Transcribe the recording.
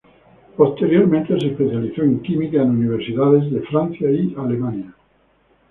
Posteriormente, se especializó en Química en universidades de Francia y Alemania.